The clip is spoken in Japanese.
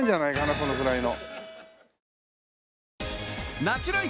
このくらいの。